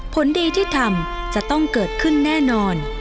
ผลดีที่ทำจะต้องเกิดขึ้นแน่นอน